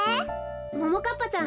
ももかっぱちゃん